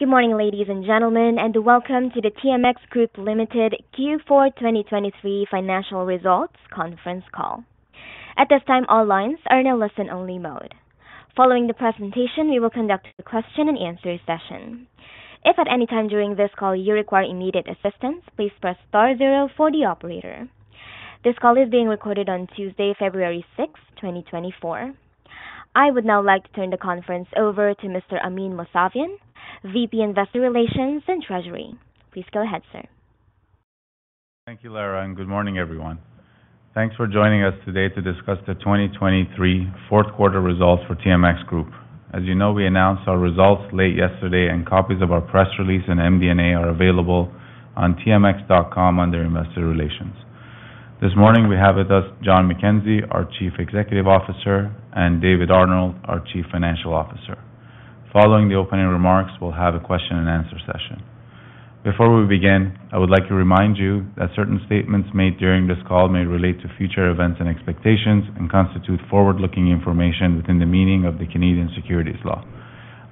Good morning, ladies and gentlemen, and welcome to the TMX Group Limited Q4 2023 Financial Results Conference Call. At this time, all lines are in a listen-only mode. Following the presentation, we will conduct a question-and-answer session. If at any time during this call you require immediate assistance, please press star zero for the operator. This call is being recorded on Tuesday, February sixth, 2024. I would now like to turn the conference over to Mr. Amin Mousavian, VP, Investor Relations and Treasury. Please go ahead, sir. Thank you, Lara, and good morning, everyone. Thanks for joining us today to discuss the 2023 fourth quarter results for TMX Group. As you know, we announced our results late yesterday, and copies of our press release and MD&A are available on tmx.com under Investor Relations. This morning, we have with us John McKenzie, our Chief Executive Officer, and David Arnold, our Chief Financial Officer. Following the opening remarks, we'll have a question-and-answer session. Before we begin, I would like to remind you that certain statements made during this call may relate to future events and expectations and constitute forward-looking information within the meaning of the Canadian securities law.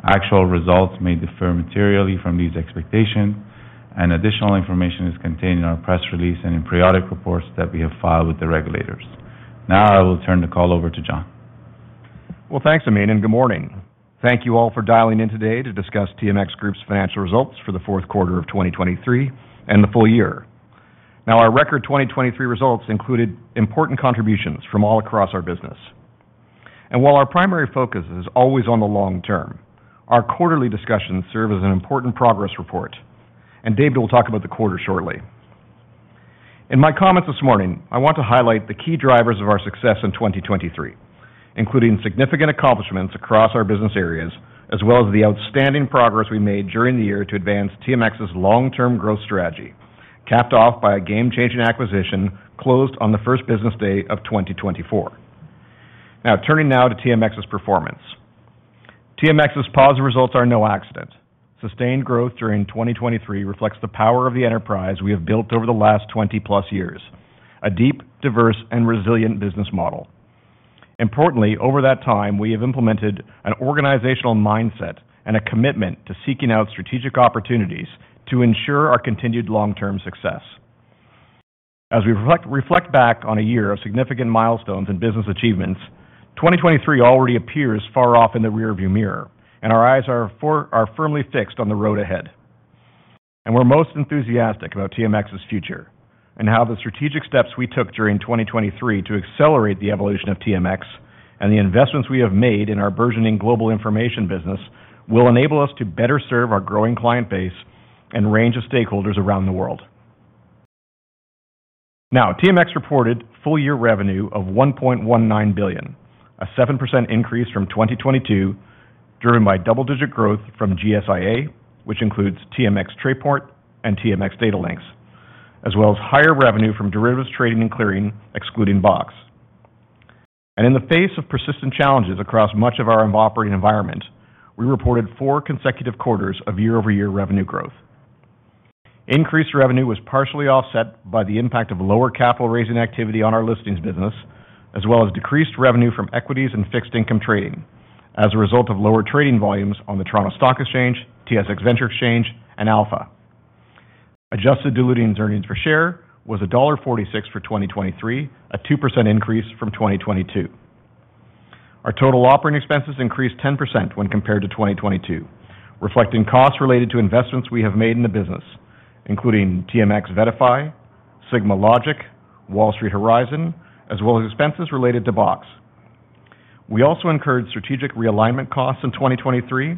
Actual results may differ materially from these expectations, and additional information is contained in our press release and in periodic reports that we have filed with the regulators. Now I will turn the call over to John. Well, thanks, Amin, and good morning. Thank you all for dialing in today to discuss TMX Group's financial results for the fourth quarter of 2023 and the full year. Now, our record 2023 results included important contributions from all across our business. While our primary focus is always on the long term, our quarterly discussions serve as an important progress report, and David will talk about the quarter shortly. In my comments this morning, I want to highlight the key drivers of our success in 2023, including significant accomplishments across our business areas, as well as the outstanding progress we made during the year to advance TMX's long-term growth strategy, capped off by a game-changing acquisition closed on the first business day of 2024. Now, turning now to TMX's performance. TMX's positive results are no accident. Sustained growth during 2023 reflects the power of the enterprise we have built over the last 20+ years, a deep, diverse, and resilient business model. Importantly, over that time, we have implemented an organizational mindset and a commitment to seeking out strategic opportunities to ensure our continued long-term success. As we reflect back on a year of significant milestones and business achievements, 2023 already appears far off in the rearview mirror, and our eyes are firmly fixed on the road ahead. We're most enthusiastic about TMX's future and how the strategic steps we took during 2023 to accelerate the evolution of TMX and the investments we have made in our burgeoning global information business will enable us to better serve our growing client base and range of stakeholders around the world. Now, TMX reported full-year revenue of 1.19 billion, a 7% increase from 2022, driven by double-digit growth from GSIA, which includes TMX Trayport and TMX Datalinx, as well as higher revenue from Derivatives Trading and Clearing, excluding BOX. In the face of persistent challenges across much of our operating environment, we reported four consecutive quarters of year-over-year revenue growth. Increased revenue was partially offset by the impact of lower capital-raising activity on our listings business, as well as decreased revenue from Equities and Fixed Income Trading as a result of lower trading volumes on the Toronto Stock Exchange, TSX Venture Exchange, and Alpha. Adjusted diluted earnings per share was dollar 1.46 for 2023, a 2% increase from 2022. Our total operating expenses increased 10% when compared to 2022, reflecting costs related to investments we have made in the business, including TMX VettaFi, SigmaLogic, Wall Street Horizon, as well as expenses related to BOX. We also incurred strategic realignment costs in 2023,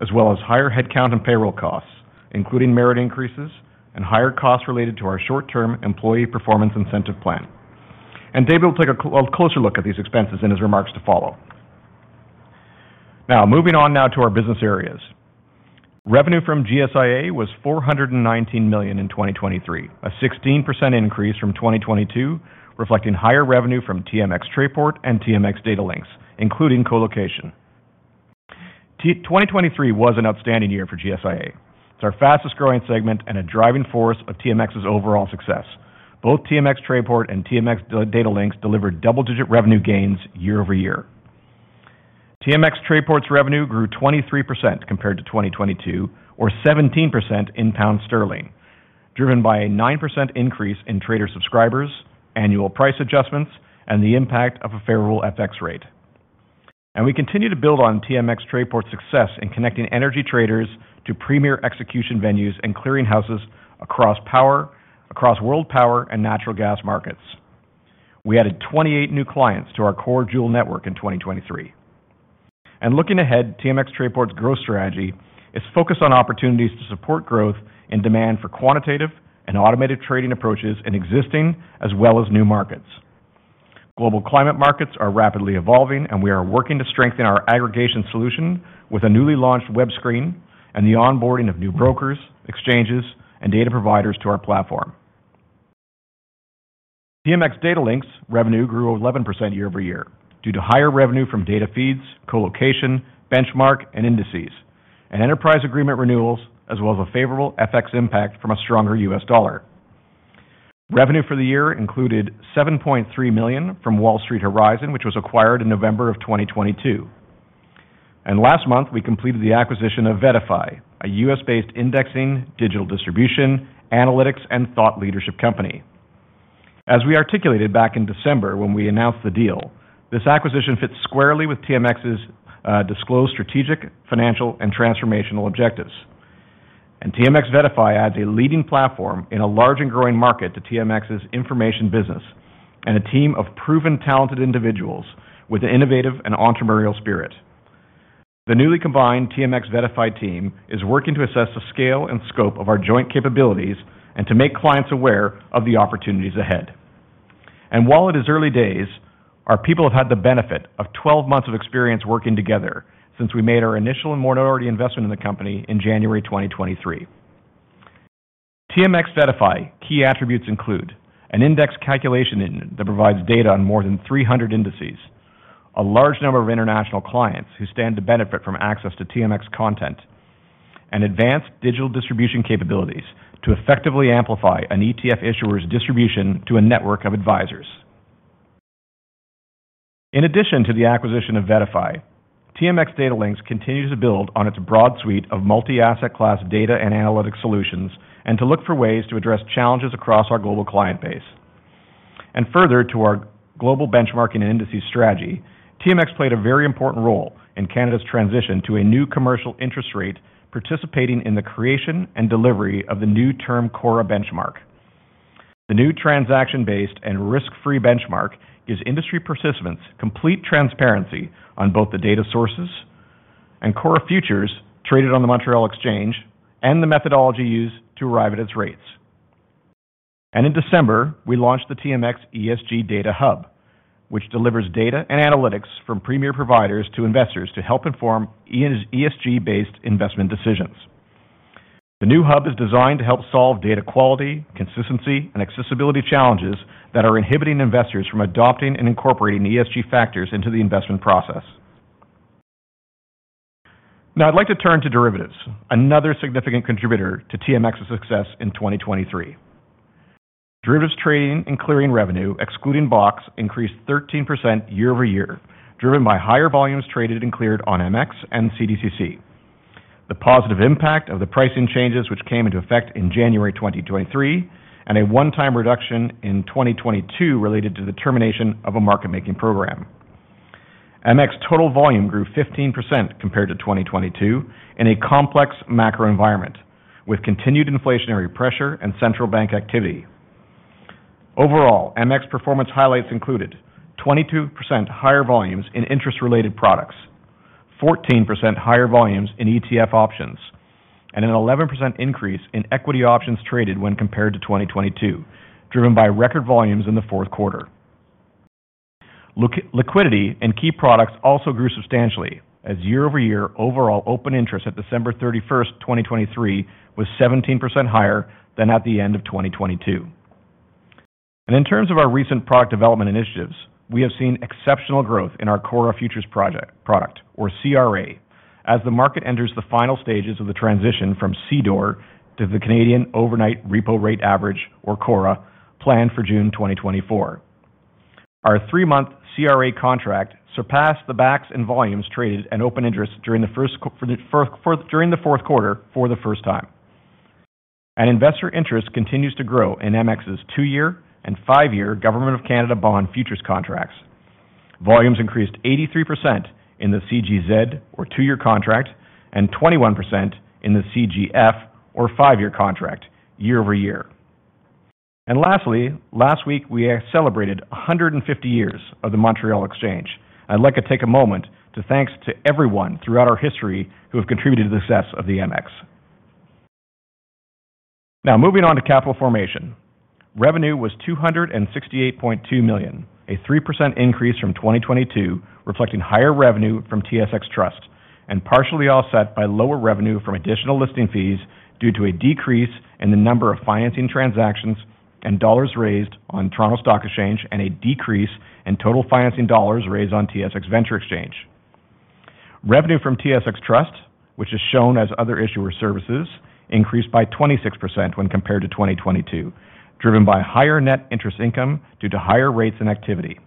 as well as higher headcount and payroll costs, including merit increases and higher costs related to our short-term employee performance incentive plan. David will take a closer look at these expenses in his remarks to follow. Now, moving on now to our business areas. Revenue from GSIA was 419 million in 2023, a 16% increase from 2022, reflecting higher revenue from TMX Trayport and TMX Datalinx, including colocation. 2023 was an outstanding year for GSIA. It's our fastest-growing segment and a driving force of TMX's overall success. Both TMX Trayport and TMX Datalinx delivered double-digit revenue gains year over year. TMX Trayport's revenue grew 23% compared to 2022, or 17% in pound sterling, driven by a 9% increase in trader subscribers, annual price adjustments, and the impact of a favorable FX rate. We continue to build on TMX Trayport's success in connecting energy traders to premier execution venues and clearing houses across world power and natural gas markets. We added 28 new clients to our core Joule network in 2023. Looking ahead, TMX Trayport's growth strategy is focused on opportunities to support growth and demand for quantitative and automated trading approaches in existing as well as new markets. Global climate markets are rapidly evolving, and we are working to strengthen our aggregation solution with a newly launched WebScreen and the onboarding of new brokers, exchanges, and data providers to our platform. TMX Datalinx revenue grew 11% year-over-year due to higher revenue from data feeds, colocation, benchmark and indices, and enterprise agreement renewals, as well as a favorable FX impact from a stronger U.S. dollar. Revenue for the year included $7.3 million from Wall Street Horizon, which was acquired in November 2022. Last month, we completed the acquisition of VettaFi, a U.S.-based indexing, digital distribution, analytics, and thought leadership company. As we articulated back in December when we announced the deal, this acquisition fits squarely with TMX's disclosed strategic, financial, and transformational objectives. TMX VettaFi adds a leading platform in a large and growing market to TMX's information business and a team of proven talented individuals with an innovative and entrepreneurial spirit. The newly combined TMX VettaFi team is working to assess the scale and scope of our joint capabilities and to make clients aware of the opportunities ahead. While it is early days, our people have had the benefit of 12 months of experience working together since we made our initial and minority investment in the company in January 2023. TMX VettaFi key attributes include an index calculation engine that provides data on more than 300 indices, a large number of international clients who stand to benefit from access to TMX content, and advanced digital distribution capabilities to effectively amplify an ETF issuer's distribution to a network of advisors. In addition to the acquisition of VettaFi, TMX Datalinx continues to build on its broad suite of multi-asset class data and analytics solutions, and to look for ways to address challenges across our global client base. Further to our global benchmarking and indices strategy, TMX played a very important role in Canada's transition to a new commercial interest rate, participating in the creation and delivery of the new Term CORRA benchmark. The new transaction-based and risk-free benchmark gives industry participants complete transparency on both the data sources and CORRA Futures traded on the Montreal Exchange and the methodology used to arrive at its rates. In December, we launched the TMX ESG Data Hub, which delivers data and analytics from premier providers to investors to help inform ESG-based investment decisions. The new hub is designed to help solve data quality, consistency, and accessibility challenges that are inhibiting investors from adopting and incorporating ESG factors into the investment process. Now I'd like to turn to derivatives, another significant contributor to TMX's success in 2023. Derivatives Trading and Clearing revenue, excluding BOX, increased 13% year-over-year, driven by higher volumes traded and cleared on MX and CDCC. The positive impact of the pricing changes, which came into effect in January 2023, and a one-time reduction in 2022 related to the termination of a market-making program. MX total volume grew 15% compared to 2022 in a complex macro environment, with continued inflationary pressure and central bank activity. Overall, MX performance highlights included 22% higher volumes in interest-related products, 14% higher volumes in ETF options, and an 11% increase in equity options traded when compared to 2022, driven by record volumes in the fourth quarter. Liquidity and key products also grew substantially, as year-over-year overall open interest at December 31, 2023, was 17% higher than at the end of 2022. In terms of our recent product development initiatives, we have seen exceptional growth in our CORRA Futures product, or CRA, as the market enters the final stages of the transition from CDOR to the Canadian Overnight Repo Rate Average, or CORRA, planned for June 2024. Our three-month CRA contract surpassed the benchmarks in volumes traded and open interest during the fourth quarter for the first time. Investor interest continues to grow in MX's two-year and five-year Government of Canada bond futures contracts. Volumes increased 83% in the CGZ or two-year contract, and 21% in the CGF or five-year contract, year-over-year. Lastly, last week, we celebrated 150 years of the Montreal Exchange. I'd like to take a moment to thank everyone throughout our history who have contributed to the success of the MX. Now, moving on to Capital Formation. Revenue was 268.2 million, a 3% increase from 2022, reflecting higher revenue from TSX Trust, and partially offset by lower revenue from additional listing fees due to a decrease in the number of financing transactions and dollars raised on Toronto Stock Exchange, and a decrease in total financing dollars raised on TSX Venture Exchange. Revenue from TSX Trust, which is shown as other issuer services, increased by 26% when compared to 2022, driven by higher net interest income due to higher rates and activity.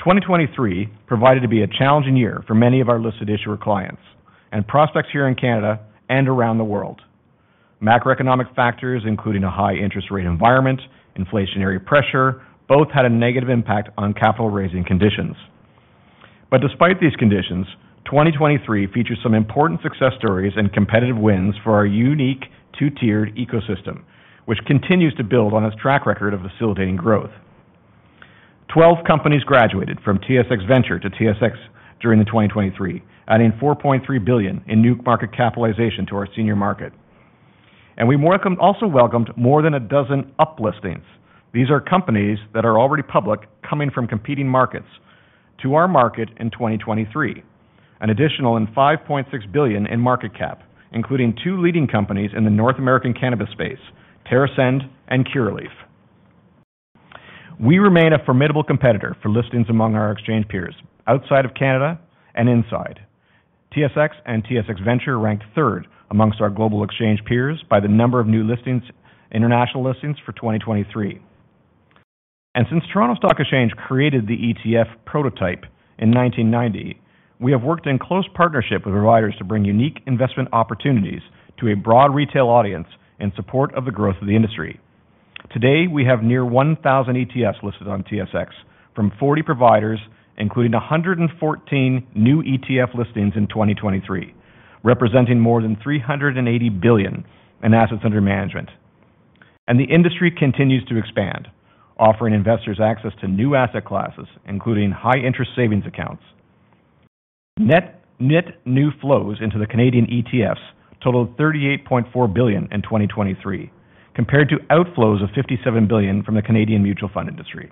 2023 proved to be a challenging year for many of our listed issuer clients and prospects here in Canada and around the world. Macroeconomic factors, including a high interest rate environment, inflationary pressure, both had a negative impact on capital raising conditions. But despite these conditions, 2023 featured some important success stories and competitive wins for our unique two-tiered ecosystem, which continues to build on its track record of facilitating growth. 12 companies graduated from TSX Venture to TSX during 2023, adding 4.3 billion in new market capitalization to our senior market. And we also welcomed more than a dozen uplistings. These are companies that are already public, coming from competing markets, to our market in 2023. An additional in 5.6 billion in market cap, including two leading companies in the North American cannabis space, TerrAscend and Curaleaf. We remain a formidable competitor for listings among our exchange peers, outside of Canada and inside. TSX and TSX Venture ranked third amongst our global exchange peers by the number of new listings, international listings for 2023. Since Toronto Stock Exchange created the ETF prototype in 1990, we have worked in close partnership with providers to bring unique investment opportunities to a broad retail audience in support of the growth of the industry. Today, we have near 1,000 ETFs listed on TSX from 40 providers, including 114 new ETF listings in 2023, representing more than 380 billion in assets under management. The industry continues to expand, offering investors access to new asset classes, including high interest savings accounts. Net new flows into the Canadian ETFs totaled 38.4 billion in 2023, compared to outflows of 57 billion from the Canadian mutual fund industry.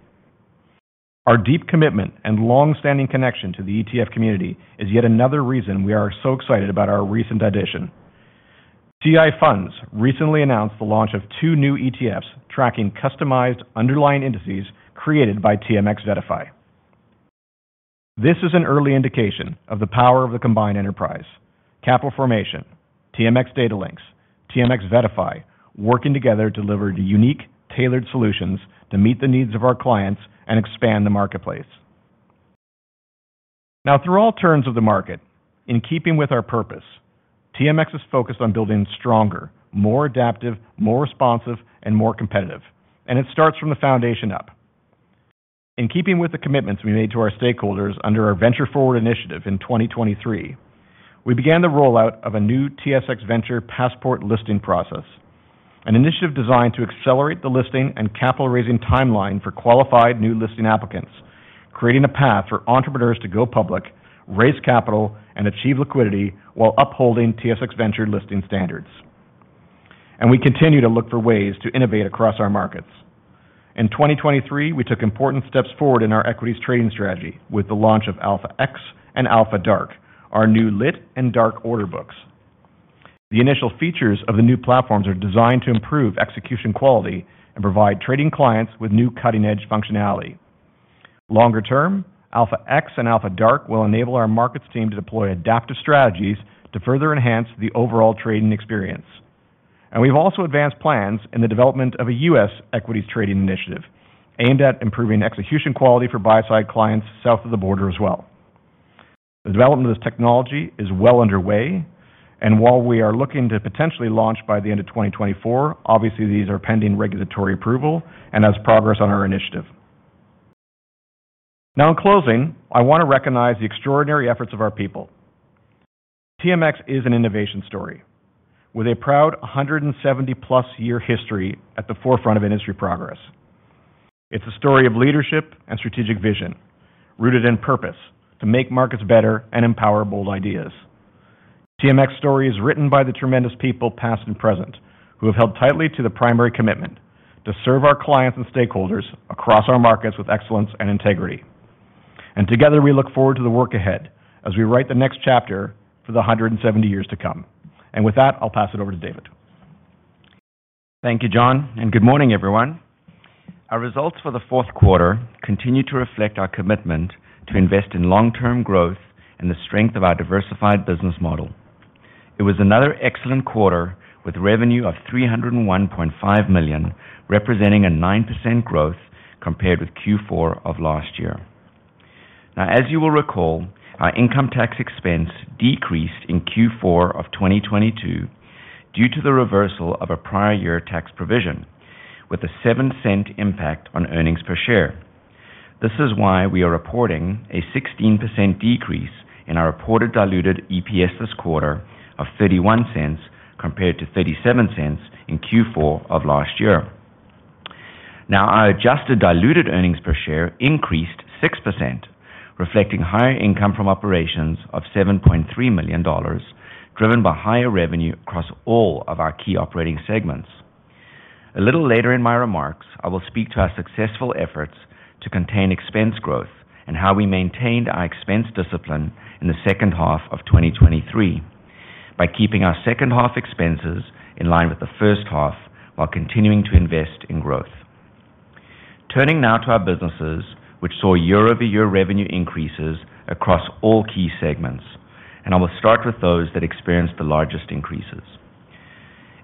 Our deep commitment and long-standing connection to the ETF community is yet another reason we are so excited about our recent addition. CI Funds recently announced the launch of two new ETFs tracking customized underlying indices created by TMX VettaFi. This is an early indication of the power of the combined enterprise, Capital Formation, TMX Datalinx, TMX VettaFi, working together to deliver unique, tailored solutions to meet the needs of our clients and expand the marketplace. Now, through all turns of the market, in keeping with our purpose, TMX is focused on building stronger, more adaptive, more responsive, and more competitive, and it starts from the foundation up. In keeping with the commitments we made to our stakeholders under our Venture Forward initiative in 2023, we began the rollout of a new TSX Venture Passport listing process, an initiative designed to accelerate the listing and capital raising timeline for qualified new listing applicants, creating a path for entrepreneurs to go public, raise capital, and achieve liquidity while upholding TSX Venture listing standards. We continue to look for ways to innovate across our markets. In 2023, we took important steps forward in our equities trading strategy with the launch of AlphaX and Alpha DRK, our new lit and dark order books. The initial features of the new platforms are designed to improve execution quality and provide trading clients with new cutting-edge functionality. Longer term, AlphaX and Alpha DRK will enable our markets team to deploy adaptive strategies to further enhance the overall trading experience. And we've also advanced plans in the development of a U.S. equities trading initiative aimed at improving execution quality for buy-side clients south of the border as well. The development of this technology is well underway, and while we are looking to potentially launch by the end of 2024, obviously these are pending regulatory approval and as progress on our initiative. Now, in closing, I want to recognize the extraordinary efforts of our people. TMX is an innovation story with a proud 170+ year history at the forefront of industry progress. It's a story of leadership and strategic vision, rooted in purpose to make markets better and empower bold ideas. TMX story is written by the tremendous people, past and present, who have held tightly to the primary commitment to serve our clients and stakeholders across our markets with excellence and integrity. Together, we look forward to the work ahead as we write the next chapter for the 170 years to come. With that, I'll pass it over to David. Thank you, John, and good morning, everyone. Our results for the fourth quarter continue to reflect our commitment to invest in long-term growth and the strength of our diversified business model. It was another excellent quarter with revenue of 301.5 million, representing a 9% growth compared with Q4 of last year. Now, as you will recall, our income tax expense decreased in Q4 of 2022 due to the reversal of a prior year tax provision, with a 0.07 impact on earnings per share. This is why we are reporting a 16% decrease in our reported diluted EPS this quarter of 0.31, compared to 0.37 in Q4 of last year. Now, our adjusted diluted earnings per share increased 6%, reflecting higher income from operations of 7.3 million dollars, driven by higher revenue across all of our key operating segments. A little later in my remarks, I will speak to our successful efforts to contain expense growth and how we maintained our expense discipline in the second half of 2023 by keeping our second half expenses in line with the first half while continuing to invest in growth. Turning now to our businesses, which saw year-over-year revenue increases across all key segments, and I will start with those that experienced the largest increases.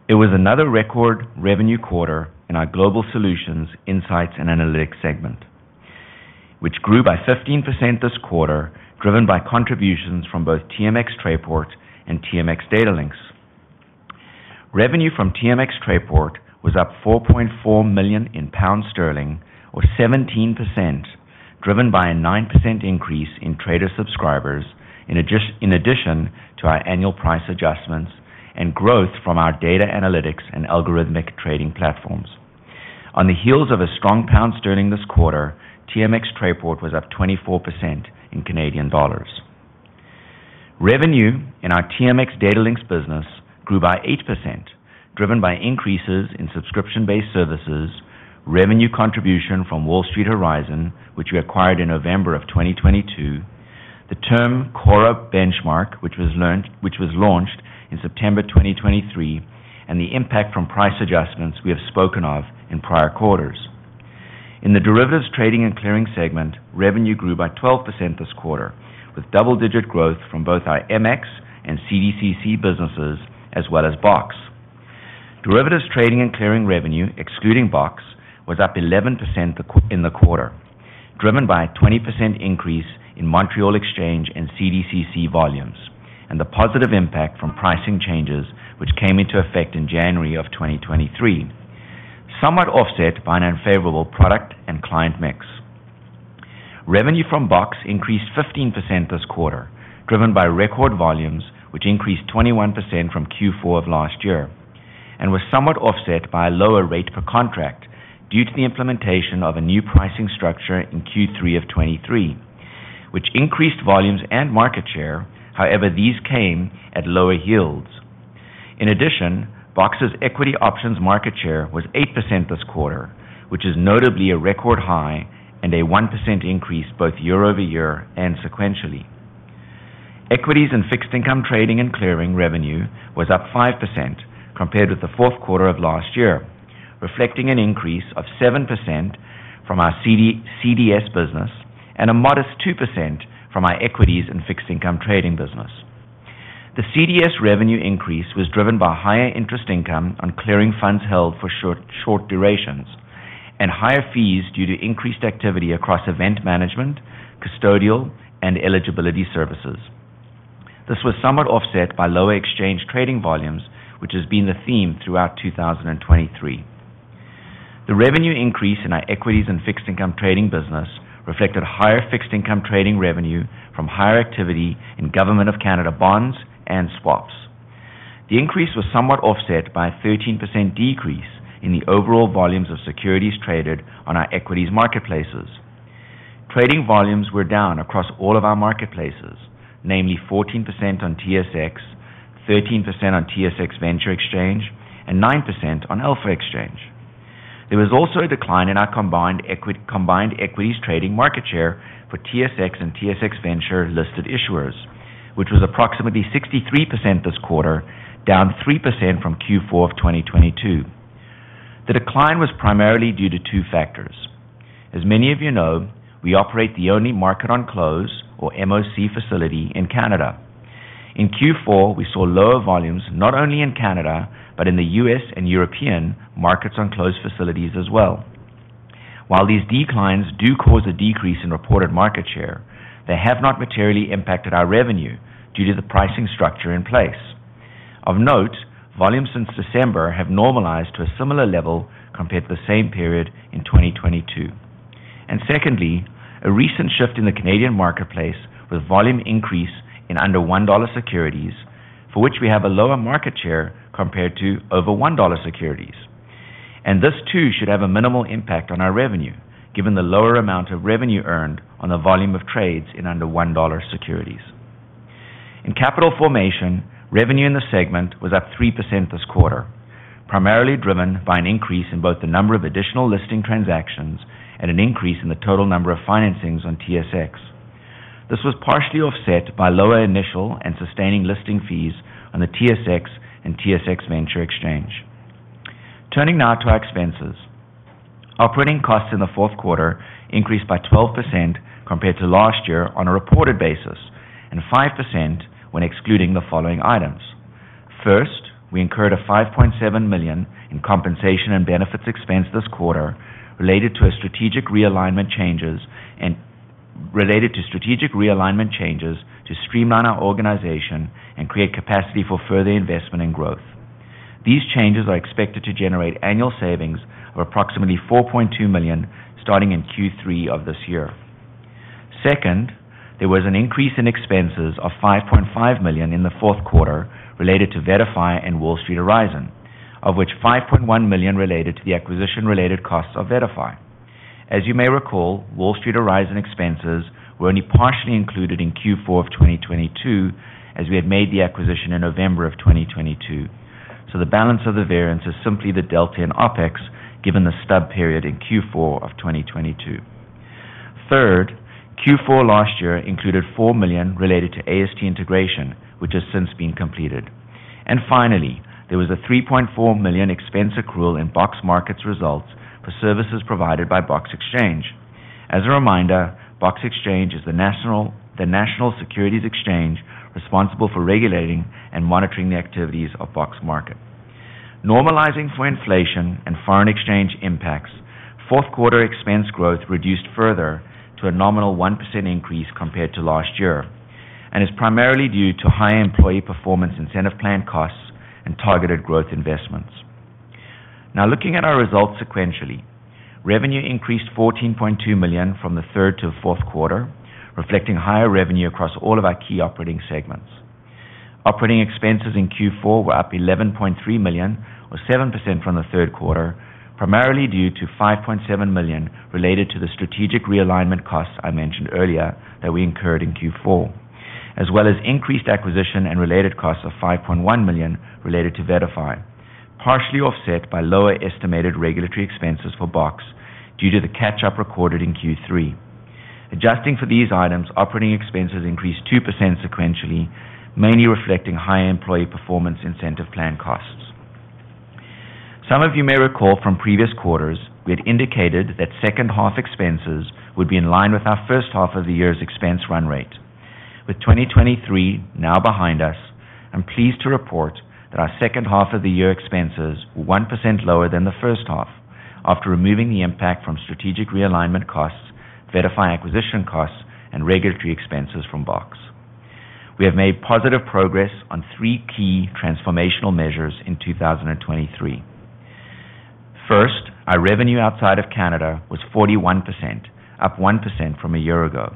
It was another record revenue quarter in our Global Solutions, Insights and Analytics segment, which grew by 15% this quarter, driven by contributions from both TMX Trayport and TMX Datalinx. Revenue from TMX Trayport was up 4.4 million pounds, or 17%, driven by a 9% increase in trader subscribers, in addition to our annual price adjustments and growth from our data analytics and algorithmic trading platforms. On the heels of a strong pound sterling this quarter, TMX Trayport was up 24% in Canadian dollars. Revenue in our TMX Datalinx business grew by 8%, driven by increases in subscription-based services, revenue contribution from Wall Street Horizon, which we acquired in November of 2022. The Term CORRA benchmark, which was launched in September 2023, and the impact from price adjustments we have spoken of in prior quarters. In the Derivatives Trading and Clearing segment, revenue grew by 12% this quarter, with double-digit growth from both our MX and CDCC businesses as well as BOX. Derivatives Trading and Clearing revenue, excluding BOX, was up 11% in the quarter, driven by a 20% increase in Montreal Exchange and CDCC volumes, and the positive impact from pricing changes, which came into effect in January of 2023, somewhat offset by an unfavorable product and client mix. Revenue from BOX increased 15% this quarter, driven by record volumes, which increased 21% from Q4 of last year, and was somewhat offset by a lower rate per contract due to the implementation of a new pricing structure in Q3 of 2023, which increased volumes and market share, however, these came at lower yields. In addition, BOX's equity options market share was 8% this quarter, which is notably a record high and a 1% increase both year-over-year and sequentially. Equities and Fixed Income Trading and Clearing revenue was up 5% compared with the fourth quarter of last year, reflecting an increase of 7% from our CDS business and a modest 2% from our Equities and Fixed Income Trading business. The CDS revenue increase was driven by higher interest income on clearing funds held for short, short durations and higher fees due to increased activity across event management, custodial, and eligibility services. This was somewhat offset by lower exchange trading volumes, which has been the theme throughout 2023. The revenue increase in our Equities and Fixed Income Trading and business reflected higher fixed income trading revenue from higher activity in Government of Canada bonds and swaps. The increase was somewhat offset by a 13% decrease in the overall volumes of securities traded on our equities marketplaces. Trading volumes were down across all of our marketplaces, namely 14% on TSX, 13% on TSX Venture Exchange, and 9% on Alpha Exchange. There was also a decline in our combined equity, combined equities trading market share for TSX and TSX Venture listed issuers, which was approximately 63% this quarter, down 3% from Q4 of 2022. The decline was primarily due to two factors. As many of you know, we operate the only Market On Close or MOC facility in Canada. In Q4, we saw lower volumes, not only in Canada, but in the U.S. and European markets on closed facilities as well. While these declines do cause a decrease in reported market share, they have not materially impacted our revenue due to the pricing structure in place. Of note, volumes since December have normalized to a similar level compared to the same period in 2022. Secondly, a recent shift in the Canadian marketplace, with volume increase in under CAD 1 securities, for which we have a lower market share compared to over CAD 1 securities. This too should have a minimal impact on our revenue, given the lower amount of revenue earned on the volume of trades in under 1 dollar securities. In Capital Formation, revenue in the segment was up 3% this quarter, primarily driven by an increase in both the number of additional listing transactions and an increase in the total number of financings on TSX. This was partially offset by lower initial and sustaining listing fees on the TSX and TSX Venture Exchange. Turning now to our expenses. Operating costs in the fourth quarter increased by 12% compared to last year on a reported basis, and 5% when excluding the following items. First, we incurred 5.7 million in compensation and benefits expense this quarter related to strategic realignment changes to streamline our organization and create capacity for further investment and growth. These changes are expected to generate annual savings of approximately 4.2 million starting in Q3 of this year. Second, there was an increase in expenses of 5.5 million in the fourth quarter related to VettaFi and Wall Street Horizon, of which 5.1 million related to the acquisition-related costs of VettaFi. As you may recall, Wall Street Horizon expenses were only partially included in Q4 of 2022, as we had made the acquisition in November of 2022. So the balance of the variance is simply the delta in OpEx, given the stub period in Q4 of 2022. Third, Q4 last year included 4 million related to AST integration, which has since been completed. And finally, there was a 3.4 million expense accrual in BOX Market's results for services provided by BOX Exchange. As a reminder, BOX Exchange is the national securities exchange responsible for regulating and monitoring the activities of BOX Market. Normalizing for inflation and foreign exchange impacts, fourth quarter expense growth reduced further to a nominal 1% increase compared to last year, and is primarily due to high employee performance incentive plan costs and targeted growth investments. Now, looking at our results sequentially. Revenue increased 14.2 million from the third to fourth quarter, reflecting higher revenue across all of our key operating segments. Operating expenses in Q4 were up 11.3 million, or 7% from the third quarter, primarily due to 5.7 million related to the strategic realignment costs I mentioned earlier that we incurred in Q4, as well as increased acquisition and related costs of 5.1 million related to VettaFi, partially offset by lower estimated regulatory expenses for Box due to the catch-up recorded in Q3. Adjusting for these items, operating expenses increased 2% sequentially, mainly reflecting high employee performance incentive plan costs. Some of you may recall from previous quarters, we had indicated that second half expenses would be in line with our first half of the year's expense run rate. With 2023 now behind us, I'm pleased to report that our second half of the year expenses were 1% lower than the first half, after removing the impact from strategic realignment costs, VettaFi acquisition costs, and regulatory expenses from BOX. We have made positive progress on three key transformational measures in 2023. First, our revenue outside of Canada was 41%, up 1% from a year ago.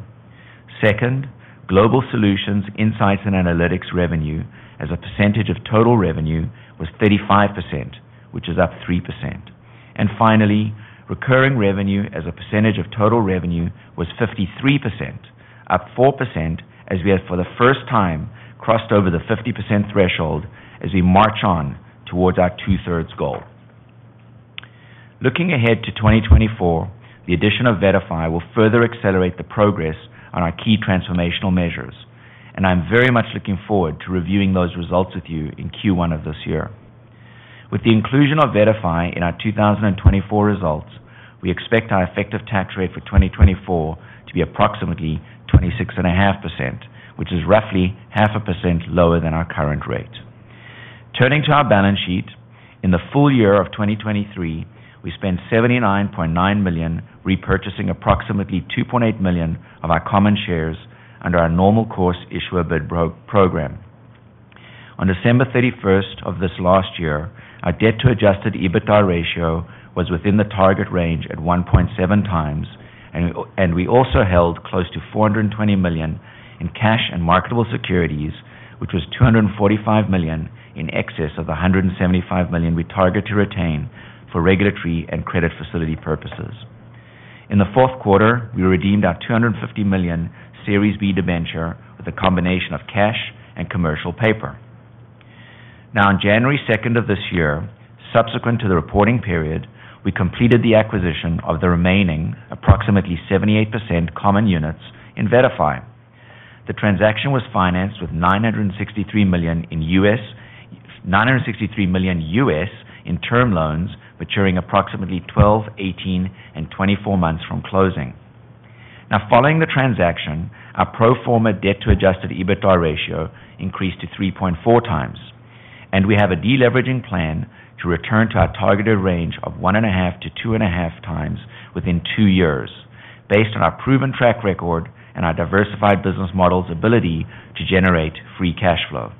Second, Global Solutions, Insights and Analytics revenue, as a percentage of total revenue, was 35%, which is up 3%. And finally, recurring revenue as a percentage of total revenue was 53%, up 4%, as we have, for the first time, crossed over the 50% threshold as we march on towards our 2/3 goal. Looking ahead to 2024, the addition of VettaFi will further accelerate the progress on our key transformational measures, and I'm very much looking forward to reviewing those results with you in Q1 of this year. With the inclusion of VettaFi in our 2024 results, we expect our effective tax rate for 2024 to be approximately 26.5%, which is roughly 0.5% lower than our current rate. Turning to our balance sheet, in the full year of 2023, we spent 79.9 million repurchasing approximately 2.8 million of our common shares under our normal course issuer bid program. On December 31st of last year, our debt to adjusted EBITDA ratio was within the target range at 1.7x, and we also held close to 420 million in cash and marketable securities, which was 245 million in excess of the 175 million we target to retain for regulatory and credit facility purposes. In the fourth quarter, we redeemed our 250 million Series B debenture with a combination of cash and commercial paper. Now, on January 2nd of this year, subsequent to the reporting period, we completed the acquisition of the remaining approximately 78% common units in VettaFi. The transaction was financed with $963 million in term loans, maturing approximately 12, 18, and 24 months from closing. Now, following the transaction, our pro forma debt to adjusted EBITDA ratio increased to 3.4x, and we have a deleveraging plan to return to our targeted range of 1.5-2.5x within two years, based on our proven track record and our diversified business model's ability to generate free cash flow.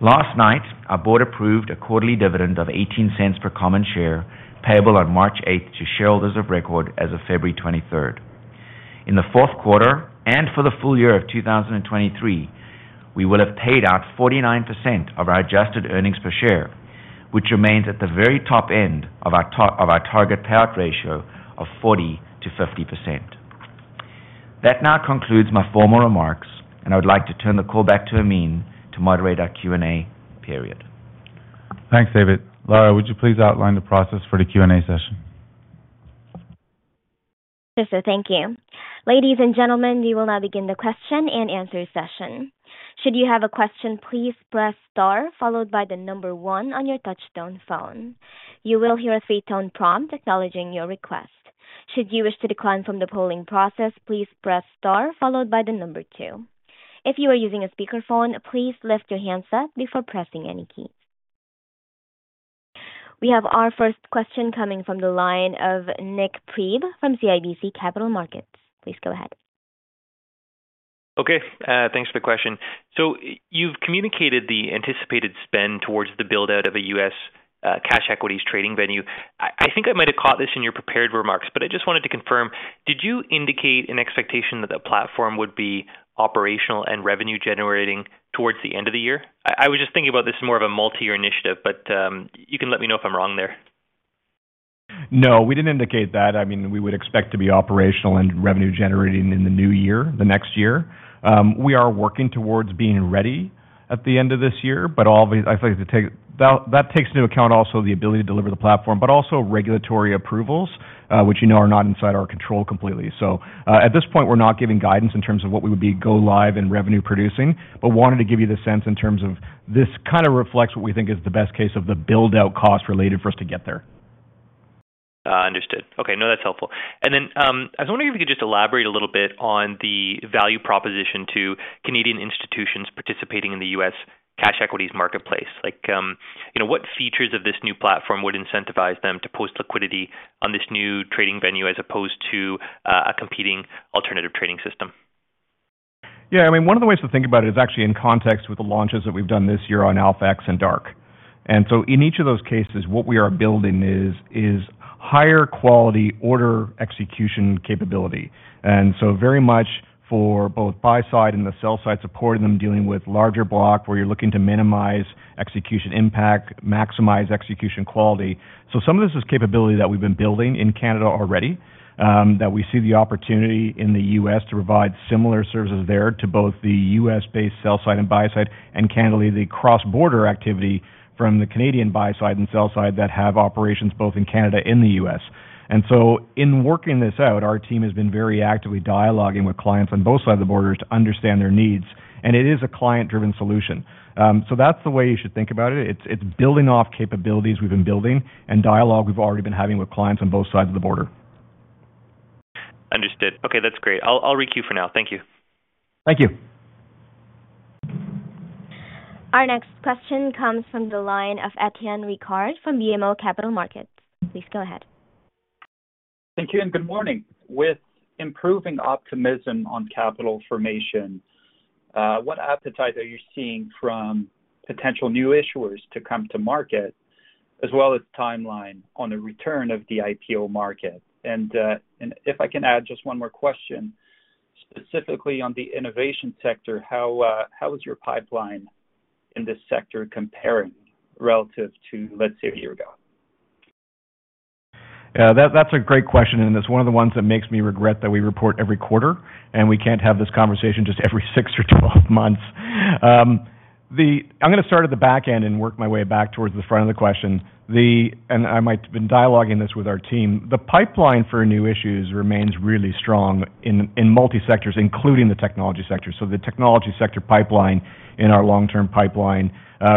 Last night, our board approved a quarterly dividend of 0.18 per common share, payable on March 8th to shareholders of record as of February 23rd. In the fourth quarter and for the full year of 2023, we will have paid out 49% of our adjusted earnings per share, which remains at the very top end of our target payout ratio of 40%-50%. That now concludes my formal remarks, and I would like to turn the call back to Amin to moderate our Q&A period. Thanks, David. Lara, would you please outline the process for the Q&A session? Sure, so thank you. Ladies and gentlemen, we will now begin the question-and-answer session. Should you have a question, please press star followed by the number one on your touchtone phone. You will hear a three-tone prompt acknowledging your request. Should you wish to decline from the polling process, please press star followed by the number two. If you are using a speakerphone, please lift your handset before pressing any keys. We have our first question coming from the line of Nik Priebe from CIBC Capital Markets. Please go ahead. Okay, thanks for the question. So you've communicated the anticipated spend towards the build-out of a U.S. cash equities trading venue. I think I might have caught this in your prepared remarks, but I just wanted to confirm: Did you indicate an expectation that the platform would be operational and revenue generating towards the end of the year? I was just thinking about this more of a multi-year initiative, but you can let me know if I'm wrong there. No, we didn't indicate that. I mean, we would expect to be operational and revenue generating in the new year, the next year. We are working towards being ready at the end of this year, but obviously, I'd like to take... That, that takes into account also the ability to deliver the platform, but also regulatory approvals, which you know, are not inside our control completely. So, at this point, we're not giving guidance in terms of what we would be go live and revenue producing, but wanted to give you the sense in terms of this kind of reflects what we think is the best case of the build-out cost related for us to get there. Understood. Okay, no, that's helpful. And then, I was wondering if you could just elaborate a little bit on the value proposition to Canadian institutions participating in the U.S. cash equities marketplace. Like, you know, what features of this new platform would incentivize them to post liquidity on this new trading venue as opposed to, a competing alternative trading system? Yeah, I mean, one of the ways to think about it is actually in context with the launches that we've done this year on AlphaX and DRK. So in each of those cases, what we are building is a-higher quality order execution capability. And so very much for both buy side and the sell side, supporting them, dealing with larger block, where you're looking to minimize execution impact, maximize execution quality. So some of this is capability that we've been building in Canada already, that we see the opportunity in the U.S. to provide similar services there to both the U.S.-based sell side and buy side, and candidly, the cross-border activity from the Canadian buy side and sell side that have operations both in Canada and the U.S. And so in working this out, our team has been very actively dialoguing with clients on both sides of the border to understand their needs, and it is a client-driven solution. So that's the way you should think about it. It's building off capabilities we've been building and dialogue we've already been having with clients on both sides of the border. Understood. Okay, that's great. I'll, I'll requeue for now. Thank you. Thank you. Our next question comes from the line of Étienne Ricard from BMO Capital Markets. Please go ahead. Thank you and good morning. With improving optimism on Capital Formation, what appetite are you seeing from potential new issuers to come to market, as well as timeline on the return of the IPO market? And, and if I can add just one more question, specifically on the innovation sector, how, how is your pipeline in this sector comparing relative to, let's say, a year ago? Yeah, that, that's a great question, and it's one of the ones that makes me regret that we report every quarter, and we can't have this conversation just every six or12 months. I'm gonna start at the back end and work my way back towards the front of the question. And I might have been dialoguing this with our team. The pipeline for new issues remains really strong in multi-sectors, including the technology sector. So the technology sector pipeline, in our long-term pipeline,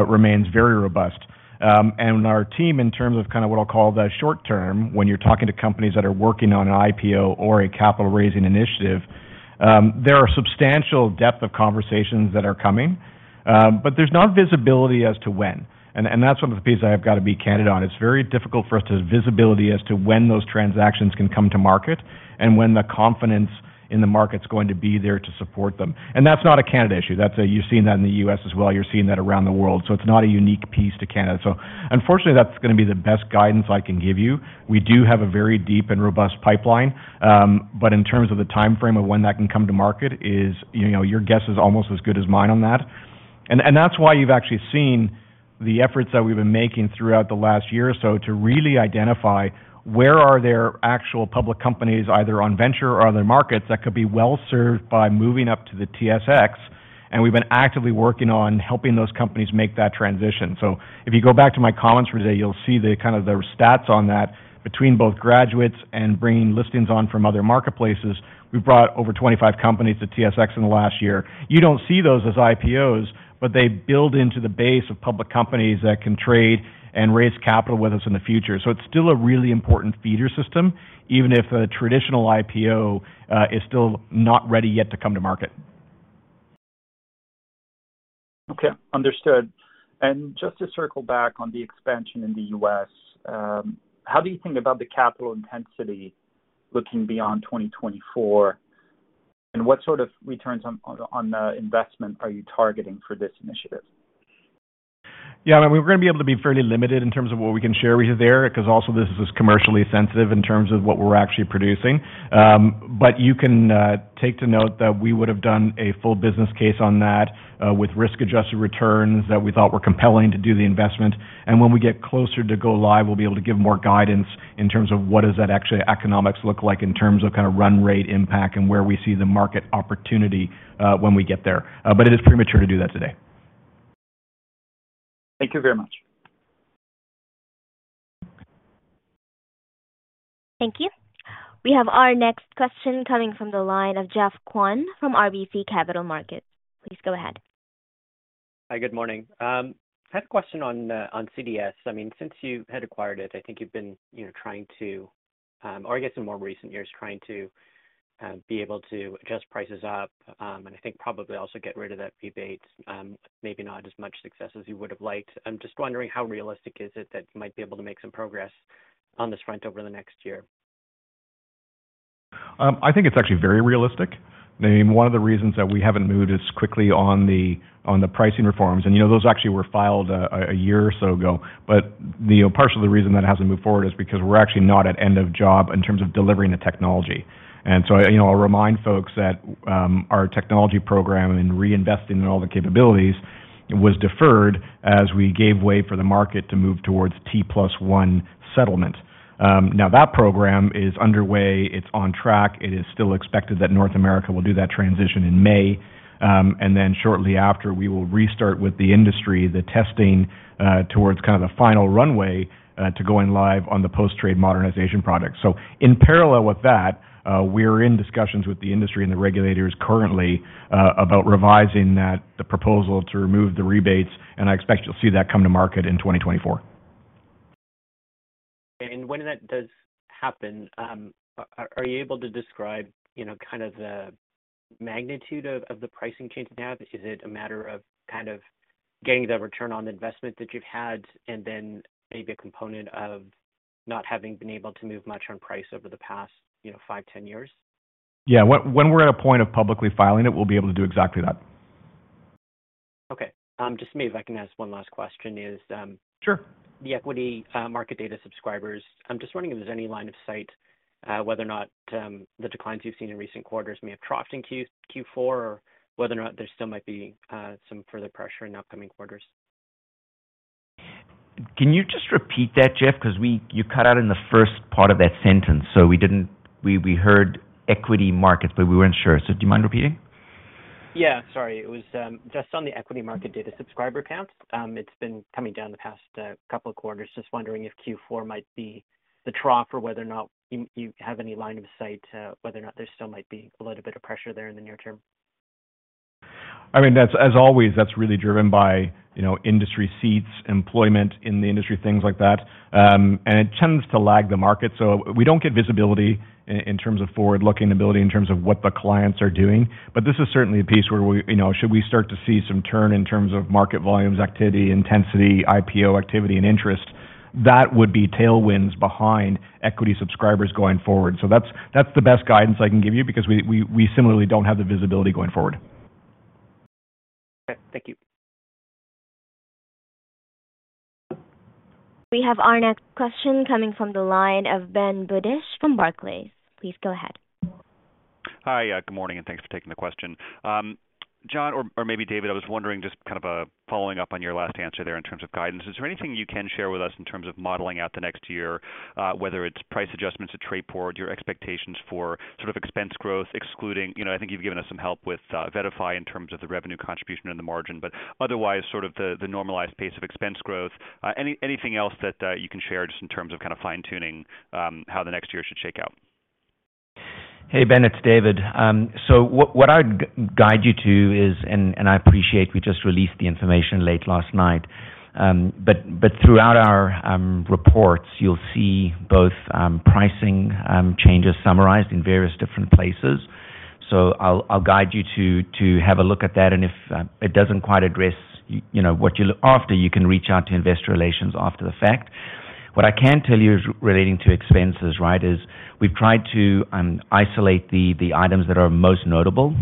remains very robust. And our team, in terms of kind of what I'll call the short term, when you're talking to companies that are working on an IPO or a capital-raising initiative, there are substantial depth of conversations that are coming, but there's not visibility as to when. That's one of the pieces I've got to be candid on. It's very difficult for us to have visibility as to when those transactions can come to market and when the confidence in the market is going to be there to support them. And that's not a Canada issue, that's a, you've seen that in the U.S. as well, you're seeing that around the world, so it's not a unique piece to Canada. So unfortunately, that's gonna be the best guidance I can give you. We do have a very deep and robust pipeline, but in terms of the timeframe of when that can come to market is, you know, your guess is almost as good as mine on that. That's why you've actually seen the efforts that we've been making throughout the last year or so to really identify where there are actual public companies, either on Venture or other markets, that could be well served by moving up to the TSX, and we've been actively working on helping those companies make that transition. So if you go back to my comments today, you'll see the, kind of the stats on that. Between both graduates and bringing listings on from other marketplaces, we've brought over 25 companies to TSX in the last year. You don't see those as IPOs, but they build into the base of public companies that can trade and raise capital with us in the future. So it's still a really important feeder system, even if a traditional IPO is still not ready yet to come to market. Okay, understood. And just to circle back on the expansion in the U.S., how do you think about the capital intensity looking beyond 2024? And what sort of returns on the investment are you targeting for this initiative? Yeah, I mean, we're gonna be able to be fairly limited in terms of what we can share with you there, because also this is commercially sensitive in terms of what we're actually producing. But you can take to note that we would have done a full business case on that, with risk-adjusted returns that we thought were compelling to do the investment. And when we get closer to go live, we'll be able to give more guidance in terms of what does that actually economics look like in terms of kind of run rate impact and where we see the market opportunity, when we get there. But it is premature to do that today. Thank you very much. Thank you. We have our next question coming from the line of Geoff Kwan from RBC Capital Markets. Please go ahead. Hi, good morning. I have a question on, on CDS. I mean, since you had acquired it, I think you've been, you know, trying to, or I guess in more recent years, trying to, be able to adjust prices up, and I think probably also get rid of that rebate, maybe not as much success as you would have liked. I'm just wondering, how realistic is it that you might be able to make some progress on this front over the next year? I think it's actually very realistic. I mean, one of the reasons that we haven't moved as quickly on the pricing reforms, and, you know, those actually were filed a year or so ago. But, you know, part of the reason that it hasn't moved forward is because we're actually not at end of job in terms of delivering the technology. And so, you know, I'll remind folks that, our technology program and reinvesting in all the capabilities was deferred as we gave way for the market to move towards T+1 settlement. Now that program is underway, it's on track. It is still expected that North America will do that transition in May. And then shortly after, we will restart with the industry, the testing, towards kind of the final runway, to going live on the Post Trade Modernization product. So in parallel with that, we're in discussions with the industry and the regulators currently about revising that, the proposal to remove the rebates, and I expect you'll see that come to market in 2024. When that does happen, are you able to describe, you know, kind of the magnitude of the pricing change now? Is it a matter of kind of getting the return on investment that you've had and then maybe a component of not having been able to move much on price over the past, you know, five, 10 years? Yeah, when we're at a point of publicly filing it, we'll be able to do exactly that.... Okay. Just maybe if I can ask one last question is, Sure. The equity market data subscribers, I'm just wondering if there's any line of sight, whether or not the declines you've seen in recent quarters may have troughed in Q4, or whether or not there still might be some further pressure in upcoming quarters. Can you just repeat that, Geoff? 'Cause we – you cut out in the first part of that sentence, so we didn't – we heard equity markets, but we weren't sure. So do you mind repeating? Yeah, sorry. It was just on the equity market data subscriber counts. It's been coming down the past couple of quarters. Just wondering if Q4 might be the trough, or whether or not you have any line of sight, whether or not there still might be a little bit of pressure there in the near term. I mean, that's, as always, that's really driven by, you know, industry seats, employment in the industry, things like that. And it tends to lag the market. So we don't get visibility in terms of forward-looking ability, in terms of what the clients are doing. But this is certainly a piece where we, you know, should we start to see some turn in terms of market volumes, activity, intensity, IPO activity, and interest, that would be tailwinds behind equity subscribers going forward. So that's the best guidance I can give you because we similarly don't have the visibility going forward. Okay, thank you. We have our next question coming from the line of Ben Budish from Barclays. Please go ahead. Hi. Good morning, and thanks for taking the question. John, or maybe David, I was wondering, just kind of following up on your last answer there in terms of guidance, is there anything you can share with us in terms of modeling out the next year, whether it's price adjustments to Trayport, your expectations for sort of expense growth, excluding... You know, I think you've given us some help with VettaFi in terms of the revenue contribution and the margin, but otherwise, sort of the normalized pace of expense growth. Anything else that you can share just in terms of kind of fine-tuning how the next year should shake out? Hey, Ben, it's David. So what I'd guide you to is... I appreciate we just released the information late last night, but throughout our reports, you'll see both pricing changes summarized in various different places. So I'll guide you to have a look at that, and if it doesn't quite address, you know, what you're after, you can reach out to investor relations after the fact. What I can tell you is relating to expenses, right, is we've tried to isolate the items that are most notable.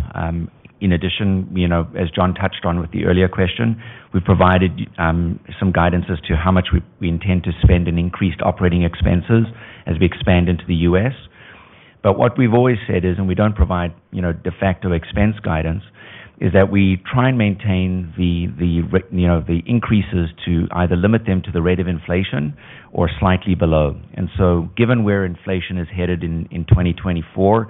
In addition, you know, as John touched on with the earlier question, we've provided some guidance as to how much we intend to spend in increased operating expenses as we expand into the U.S. But what we've always said is, and we don't provide, you know, de facto expense guidance, is that we try and maintain the, you know, the increases to either limit them to the rate of inflation or slightly below. And so given where inflation is headed in 2024,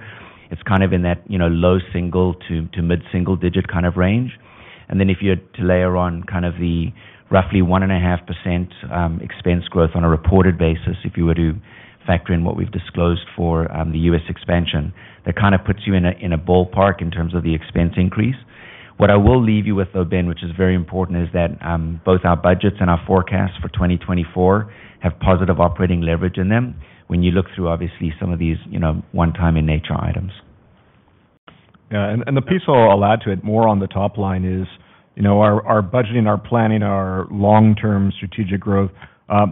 it's kind of in that, you know, low single- to mid-single-digit kind of range. And then if you had to layer on kind of the roughly 1.5%, expense growth on a reported basis, if you were to factor in what we've disclosed for the U.S. expansion, that kind of puts you in a ballpark in terms of the expense increase. What I will leave you with, though, Ben, which is very important, is that both our budgets and our forecasts for 2024 have positive operating leverage in them when you look through, obviously, some of these, you know, one-time in nature items. Yeah, and the piece I'll add to it, more on the top line is, you know, our budgeting, our planning, our long-term strategic growth,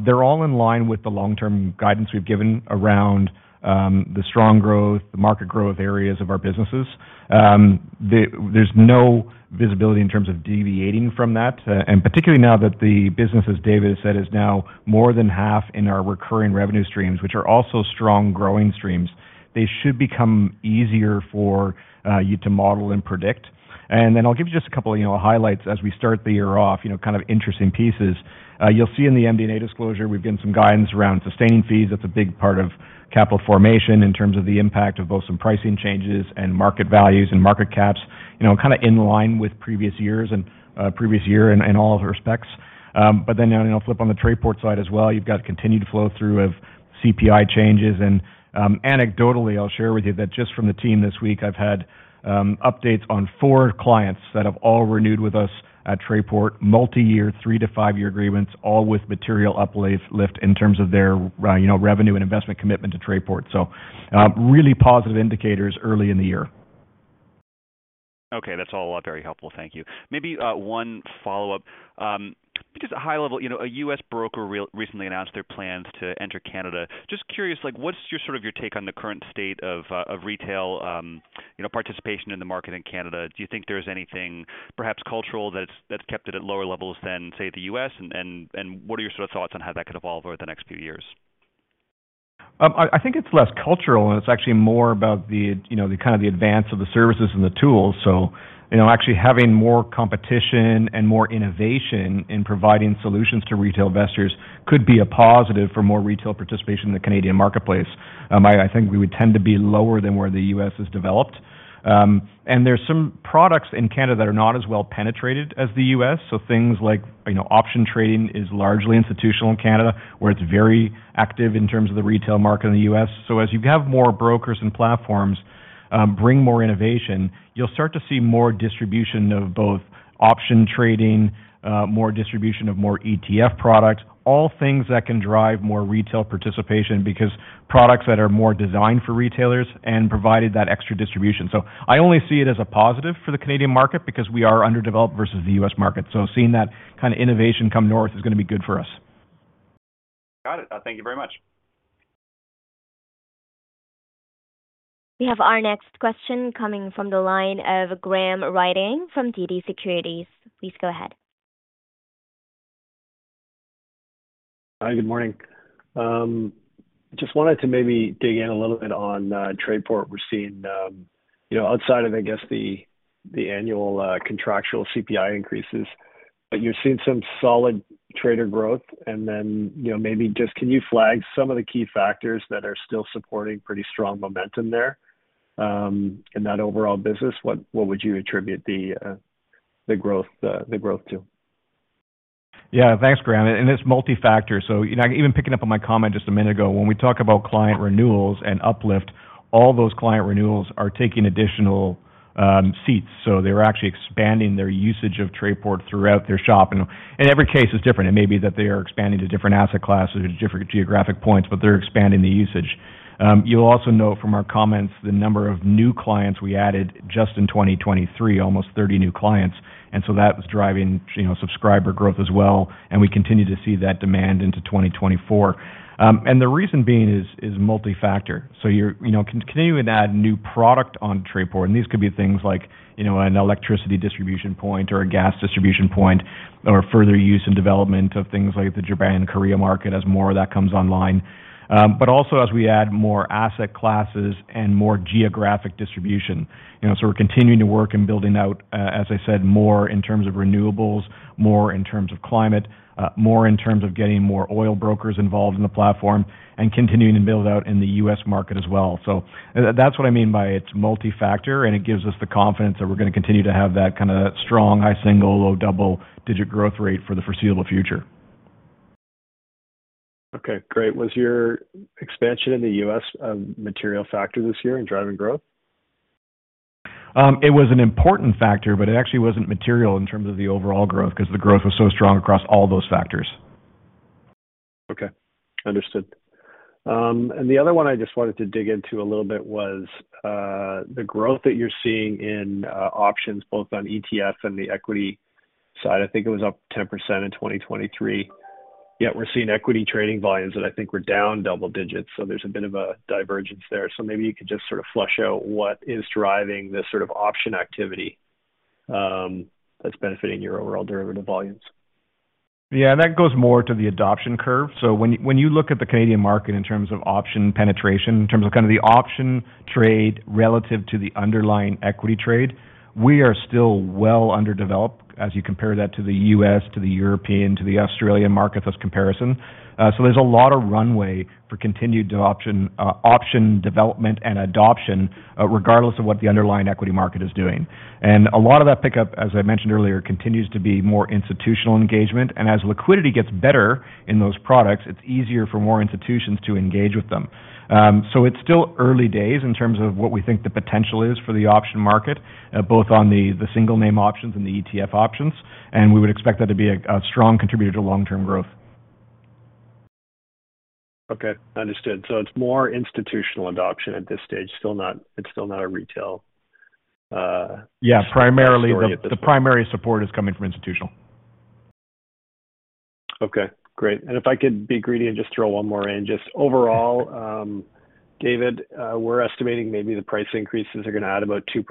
they're all in line with the long-term guidance we've given around the strong growth, the market growth areas of our businesses. There's no visibility in terms of deviating from that, and particularly now that the business, as David said, is now more than half in our recurring revenue streams, which are also strong growing streams. They should become easier for you to model and predict. And then I'll give you just a couple, you know, highlights as we start the year off, you know, kind of interesting pieces. You'll see in the MD&A disclosure, we've given some guidance around sustaining fees. That's a big part of Capital Formation in terms of the impact of both some pricing changes and market values and market caps, you know, kind of in line with previous years and previous year in all respects. But then, you know, flip on the Trayport side as well, you've got continued flow through of CPI changes, and anecdotally, I'll share with you that just from the team this week, I've had updates on four clients that have all renewed with us at Trayport, multi-year, three- to five-year agreements, all with material uplift in terms of their, you know, revenue and investment commitment to Trayport. So, really positive indicators early in the year. Okay, that's all very helpful. Thank you. Maybe one follow-up. Just at a high level, you know, a U.S. broker recently announced their plans to enter Canada. Just curious, like, what's your sort of your take on the current state of of retail, you know, participation in the market in Canada? Do you think there's anything perhaps cultural, that's kept it at lower levels than, say, the U.S.? And what are your sort of thoughts on how that could evolve over the next few years? I think it's less cultural, and it's actually more about the, you know, the kind of the advance of the services and the tools. So, you know, actually having more competition and more innovation in providing solutions to retail investors could be a positive for more retail participation in the Canadian marketplace. I think we would tend to be lower than where the U.S. has developed. And there's some products in Canada that are not as well penetrated as the U.S., so things like, you know, option trading is largely institutional in Canada, where it's very active in terms of the retail market in the U.S. So as you have more brokers and platforms, bring more innovation, you'll start to see more distribution of both option trading, more distribution of more ETF products, all things that can drive more retail participation, because products that are more designed for retailers and provided that extra distribution. So I only see it as a positive for the Canadian market because we are underdeveloped versus the U.S. market. So seeing that kind of innovation come north is gonna be good for us. Got it. Thank you very much. We have our next question coming from the line of Graham Ryding from TD Securities. Please go ahead. Hi, good morning. Just wanted to maybe dig in a little bit on, Trayport. We're seeing, you know, outside of, I guess, the, the annual, contractual CPI increases, but you're seeing some solid trader growth. And then, you know, maybe just can you flag some of the key factors that are still supporting pretty strong momentum there, in that overall business? What, what would you attribute the, the growth, the growth to? Yeah, thanks, Graham. It's multifactor. So, you know, even picking up on my comment just a minute ago, when we talk about client renewals and uplift, all those client renewals are taking additional seats. So they're actually expanding their usage of Trayport throughout their shop. And every case is different. It may be that they are expanding to different asset classes, different geographic points, but they're expanding the usage. You'll also know from our comments the number of new clients we added just in 2023, almost 30 new clients, and so that was driving, you know, subscriber growth as well, and we continue to see that demand into 2024. And the reason being is multifactor. So you're, you know, continuing to add new product on Trayport, and these could be things like, you know, an electricity distribution point or a gas distribution point, or further use and development of things like the Japan-Korea market as more of that comes online. But also as we add more asset classes and more geographic distribution, you know, so we're continuing to work and building out, as I said, more in terms of renewables, more in terms of climate, more in terms of getting more oil brokers involved in the platform and continuing to build out in the U.S. market as well. So that's what I mean by it's multifactor, and it gives us the confidence that we're going to continue to have that kind of strong, high single, low double-digit growth rate for the foreseeable future. Okay, great. Was your expansion in the U.S. a material factor this year in driving growth? It was an important factor, but it actually wasn't material in terms of the overall growth, because the growth was so strong across all those factors. Okay, understood. And the other one I just wanted to dig into a little bit was the growth that you're seeing in options, both on ETF and the equity side. I think it was up 10% in 2023. Yet we're seeing equity trading volumes that I think were down double digits, so there's a bit of a divergence there. So maybe you could just sort of flesh out what is driving this sort of option activity that's benefiting your overall derivative volumes. Yeah, that goes more to the adoption curve. So when you look at the Canadian market in terms of option penetration, in terms of kind of the option trade relative to the underlying equity trade, we are still well underdeveloped as you compare that to the U.S., to the European, to the Australian market as comparison. So there's a lot of runway for continued option, option development and adoption, regardless of what the underlying equity market is doing. And a lot of that pickup, as I mentioned earlier, continues to be more institutional engagement, and as liquidity gets better in those products, it's easier for more institutions to engage with them. So it's still early days in terms of what we think the potential is for the option market, both on the single-name options and the ETF options, and we would expect that to be a strong contributor to long-term growth. Okay, understood. So it's more institutional adoption at this stage, still not. It's still not a retail. Yeah, primarily- story at this point. The primary support is coming from institutional. Okay, great. And if I could be greedy and just throw one more in. Just overall, David, we're estimating maybe the price increases are going to add about 2%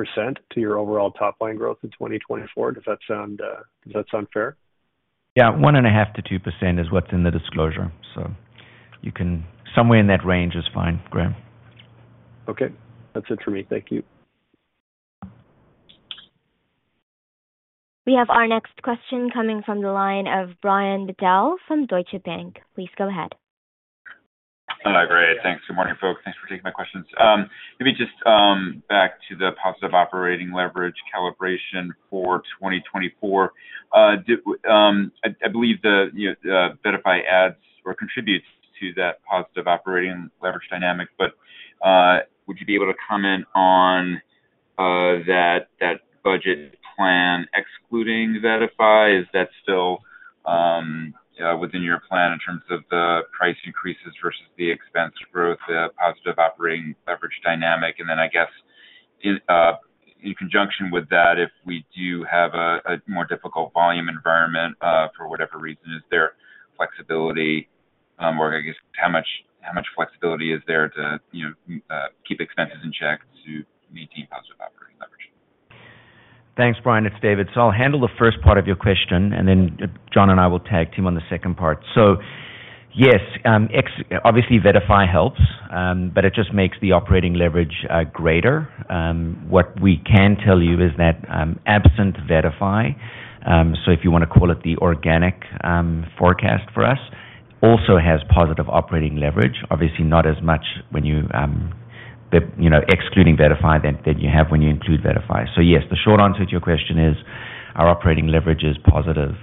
to your overall top line growth in 2024. Does that sound, does that sound fair? Yeah. 1.5%-2% is what's in the disclosure, so you can... Somewhere in that range is fine, Graham. Okay. That's it for me. Thank you. We have our next question coming from the line of Brian Bedell from Deutsche Bank. Please go ahead. Hi, great. Thanks. Good morning, folks. Thanks for taking my questions. Maybe just back to the positive operating leverage calibration for 2024. Do I believe the, you know, VettaFi adds or contributes to that positive operating leverage dynamic, but would you be able to comment on that budget plan excluding VettaFi? Is that still within your plan in terms of the price increases versus the expense growth, the positive operating leverage dynamic? And then, I guess, is in conjunction with that, if we do have a more difficult volume environment for whatever reason, is there flexibility or I guess, how much flexibility is there to keep expenses in check to maintain positive operating leverage? Thanks, Brian. It's David. So I'll handle the first part of your question, and then John and I will tag team on the second part. So yes, obviously, VettaFi helps, but it just makes the operating leverage greater. What we can tell you is that, absent VettaFi, so if you want to call it the organic forecast for us, also has positive operating leverage. Obviously not as much when you, the, you know, excluding VettaFi than, than you have when you include VettaFi. So yes, the short answer to your question is, our operating leverage is positive,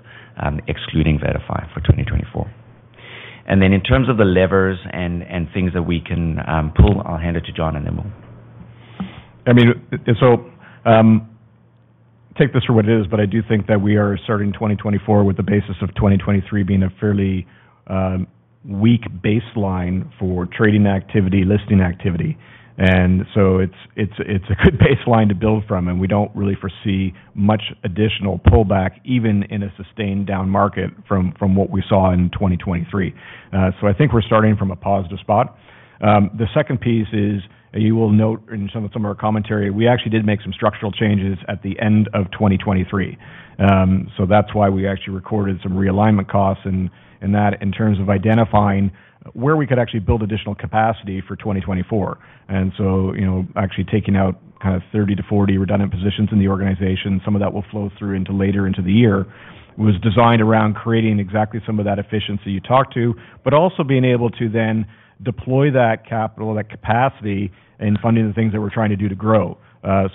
excluding VettaFi for 2024. And then in terms of the levers and, and things that we can pull, I'll hand it to John and Amin.... I mean, and so, take this for what it is, but I do think that we are starting 2024 with the basis of 2023 being a fairly weak baseline for trading activity, listing activity. And so it's a good baseline to build from, and we don't really foresee much additional pullback, even in a sustained down market, from what we saw in 2023. So I think we're starting from a positive spot. The second piece is, you will note in some of our commentary, we actually did make some structural changes at the end of 2023. So that's why we actually recorded some realignment costs, and that in terms of identifying where we could actually build additional capacity for 2024. And so, you know, actually taking out kind of 30-40 redundant positions in the organization, some of that will flow through into later into the year, was designed around creating exactly some of that efficiency you talked to, but also being able to then deploy that capital, that capacity, in funding the things that we're trying to do to grow.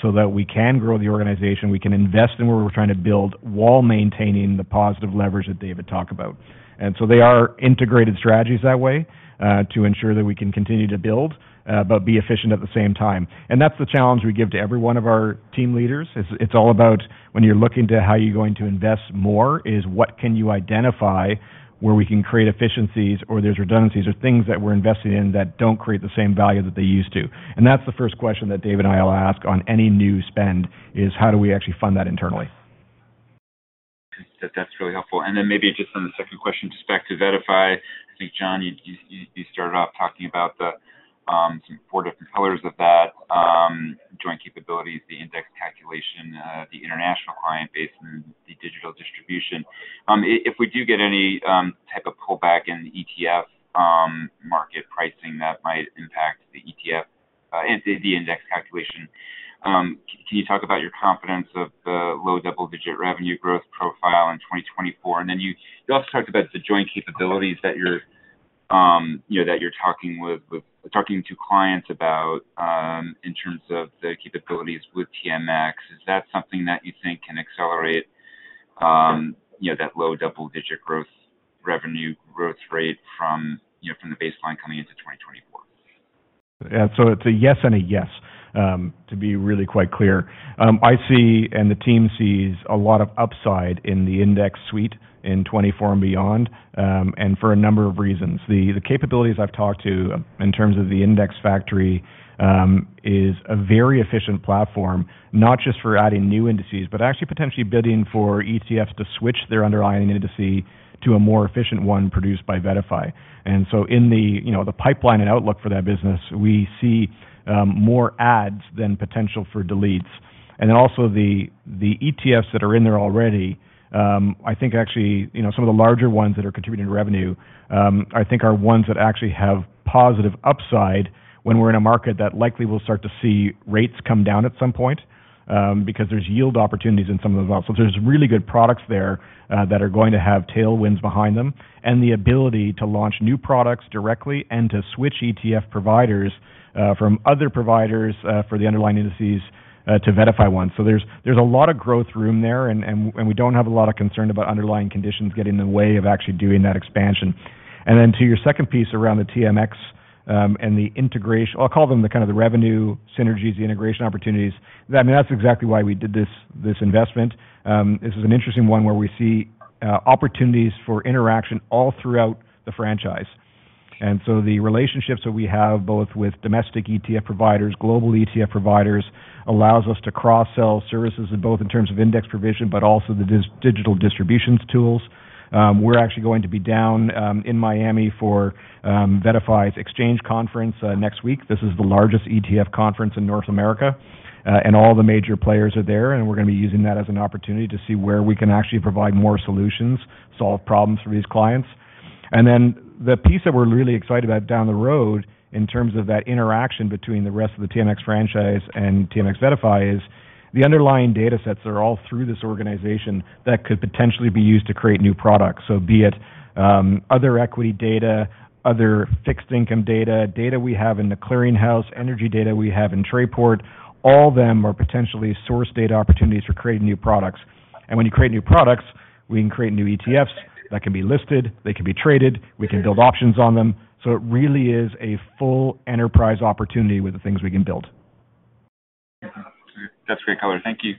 So that we can grow the organization, we can invest in where we're trying to build, while maintaining the positive leverage that David talked about. And so they are integrated strategies that way, to ensure that we can continue to build, but be efficient at the same time. And that's the challenge we give to every one of our team leaders. It's all about when you're looking to how you're going to invest more, is what can you identify where we can create efficiencies or there's redundancies or things that we're investing in that don't create the same value that they used to? And that's the first question that Dave and I will ask on any new spend: How do we actually fund that internally? That's really helpful. And then maybe just on the second question, just back to VettaFi. I think, John, you started off talking about the four different pillars of that joint capabilities, the index calculation, the international client base, and the digital distribution. If we do get any type of pullback in the ETF market pricing that might impact the ETF the index calculation, can you talk about your confidence of the low double-digit revenue growth profile in 2024? And then you also talked about the joint capabilities that you're, you know, talking to clients about in terms of the capabilities with TMX. Is that something that you think can accelerate, you know, that low double-digit growth, revenue growth rate from, you know, from the baseline coming into 2024? Yeah. So it's a yes and a yes, to be really quite clear. I see, and the team sees, a lot of upside in the index suite in 2024 and beyond, and for a number of reasons. The capabilities I've talked to, in terms of the index factory, is a very efficient platform, not just for adding new indices, but actually potentially bidding for ETFs to switch their underlying indices to a more efficient one produced by VettaFi. And so in the, you know, the pipeline and outlook for that business, we see, more adds than potential for deletes. And then also the ETFs that are in there already, I think actually, you know, some of the larger ones that are contributing to revenue, I think are ones that actually have positive upside when we're in a market that likely will start to see rates come down at some point, because there's yield opportunities in some of them as well. So there's really good products there, that are going to have tailwinds behind them, and the ability to launch new products directly and to switch ETF providers, from other providers, for the underlying indices, to VettaFi one. So there's a lot of growth room there, and we don't have a lot of concern about underlying conditions getting in the way of actually doing that expansion. And then to your second piece around the TMX, and the integration... I'll call them the kind of the revenue synergies, the integration opportunities. I mean, that's exactly why we did this, this investment. This is an interesting one where we see opportunities for interaction all throughout the franchise. And so the relationships that we have, both with domestic ETF providers, global ETF providers, allows us to cross-sell services in both in terms of index provision, but also the digital distributions tools. We're actually going to be down in Miami for VettaFi's Exchange conference next week. This is the largest ETF conference in North America, and all the major players are there, and we're going to be using that as an opportunity to see where we can actually provide more solutions, solve problems for these clients. And then the piece that we're really excited about down the road, in terms of that interaction between the rest of the TMX franchise and TMX VettaFi, is the underlying datasets are all through this organization that could potentially be used to create new products. So be it, other equity data, other fixed income data, data we have in the clearinghouse, energy data we have in Trayport, all of them are potentially source data opportunities for creating new products. And when you create new products, we can create new ETFs that can be listed, they can be traded, we can build options on them. So it really is a full enterprise opportunity with the things we can build. That's great color. Thank you.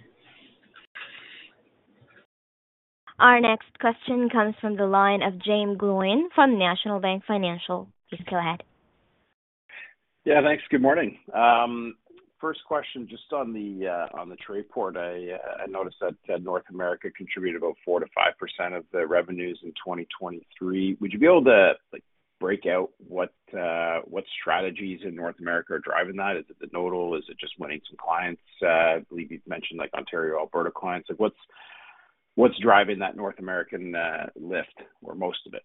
Our next question comes from the line of Jaeme Gloyn from National Bank Financial. Please go ahead. Yeah, thanks. Good morning. First question, just on the Trayport. I noticed that North America contributed about 4%-5% of the revenues in 2023. Would you be able to, like, break out what strategies in North America are driving that? Is it the Nodal? Is it just winning some clients? I believe you've mentioned, like, Ontario, Alberta clients. Like, what's driving that North American lift, or most of it?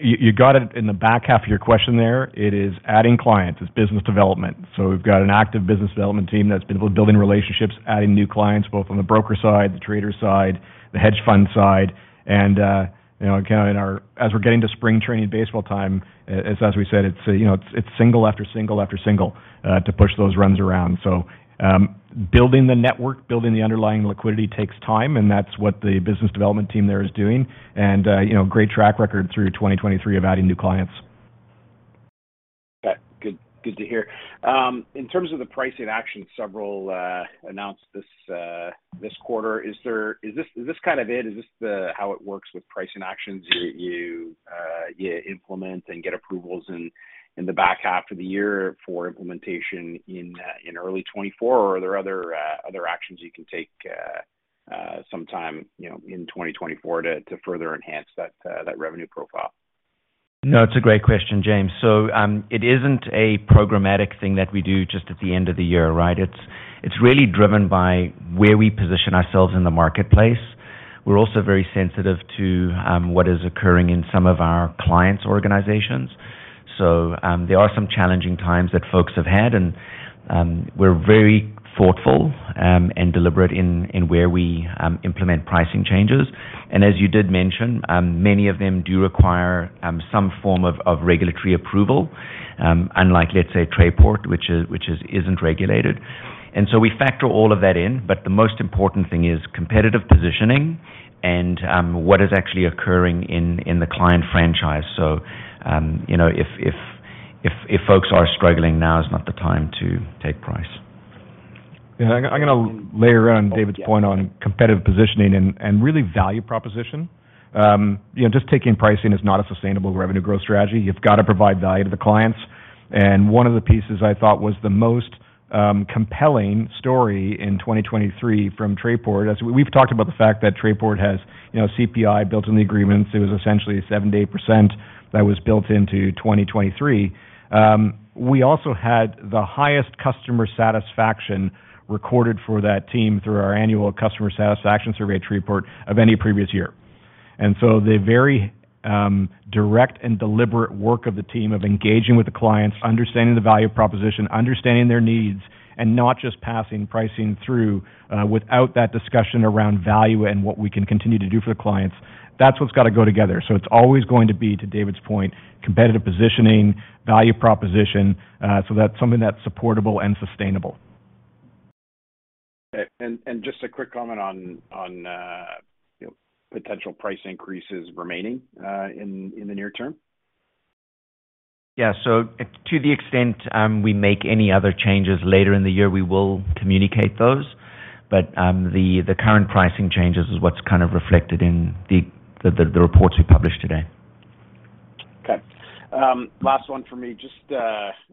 You got it in the back half of your question there. It is adding clients. It's business development. So we've got an active business development team that's been building relationships, adding new clients, both on the broker side, the trader side, the hedge fund side, and, you know, kind of in our—as we're getting to spring training baseball time, as we said, it's, you know, it's single after single after single, to push those runs around. So, building the network, building the underlying liquidity takes time, and that's what the business development team there is doing. And, you know, great track record through 2023 of adding new clients.... Got good, good to hear. In terms of the pricing action, several announced this quarter. Is there— is this, is this kind of it? Is this the, how it works with pricing actions? You, you implement and get approvals in, in the back half of the year for implementation in, in early 2024, or are there other, other actions you can take, sometime, you know, in 2024 to, to further enhance that, that revenue profile? No, it's a great question, Jaeme. So, it isn't a programmatic thing that we do just at the end of the year, right? It's really driven by where we position ourselves in the marketplace. We're also very sensitive to what is occurring in some of our clients' organizations. So, there are some challenging times that folks have had, and we're very thoughtful and deliberate in where we implement pricing changes. And as you did mention, many of them do require some form of regulatory approval, unlike, let's say, Trayport, which isn't regulated. And so we factor all of that in, but the most important thing is competitive positioning and what is actually occurring in the client franchise. You know, if folks are struggling, now is not the time to take price. Yeah, I'm gonna layer on David's point on competitive positioning and really value proposition. You know, just taking pricing is not a sustainable revenue growth strategy. You've got to provide value to the clients. And one of the pieces I thought was the most compelling story in 2023 from Trayport, as we've talked about the fact that Trayport has, you know, CPI built in the agreements. It was essentially a 7%-8% that was built into 2023. We also had the highest customer satisfaction recorded for that team through our annual customer satisfaction survey at Trayport of any previous year. The very direct and deliberate work of the team of engaging with the clients, understanding the value proposition, understanding their needs, and not just passing pricing through without that discussion around value and what we can continue to do for the clients, that's what's got to go together. It's always going to be, to David's point, competitive positioning, value proposition, so that's something that's supportable and sustainable. Okay. Just a quick comment on, you know, potential price increases remaining in the near term. Yeah. So to the extent we make any other changes later in the year, we will communicate those. But, the current pricing changes is what's kind of reflected in the reports we published today. Okay. Last one for me. Just,